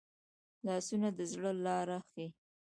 لاسونه د زړه لاره ښيي